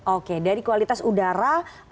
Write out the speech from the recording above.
oke dari kualitas udara